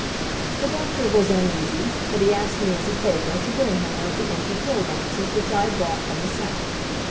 The doctor was uneasy, but he asked me as a favor to bring him one of the empty pill boxes which I had brought from the South.